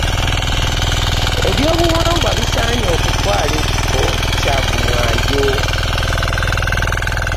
Ebyobuwangwa, bisaanye okutwala ekifo kya ku mwanjo .